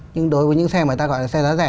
nhưng đối với những xe mà ta gọi là xe giá rẻ